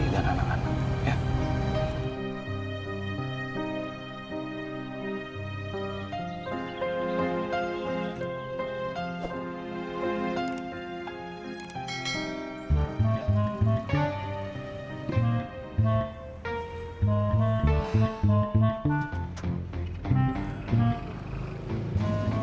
dan anak anak ya